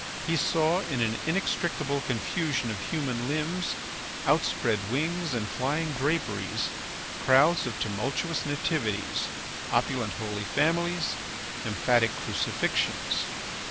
He saw in an inextricable confusion of human limbs, outspread wings, and flying draperies, crowds of tumultuous Nativities, opulent Holy Families, emphatic Crucifixions.